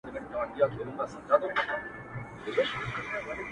د اُميد سترګې يې په لار څارلو سپينې شولې